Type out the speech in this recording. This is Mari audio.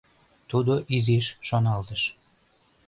— Тудо изиш шоналтыш.